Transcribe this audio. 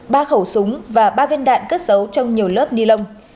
ba khẩu súng và ba viên đạn cất giấu trong nhiều lớp ni lông